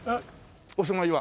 お住まいは。